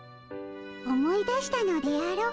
思い出したのであろ？